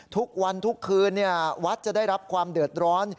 ทุกวันทุกคืนวัดจะได้รับความเดือดร้อน